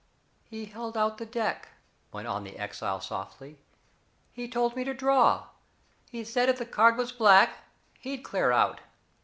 "He held out the deck," went on the exile softly, "he told me to draw. He said if the card was black, he'd clear out.